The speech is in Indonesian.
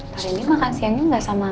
tadi makan siangnya gak sama